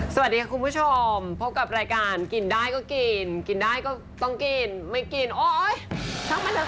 สวัสดีค่ะคุณผู้ชมพบกับรายการกินได้ก็กินกินได้ก็ต้องกินไม่กินโอ๊ย